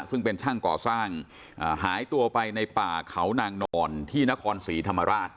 ซึ่งเป็นช่างก่อสร้างหายตัวไปในป่าเขานางนอนที่นครศรีธรรมราช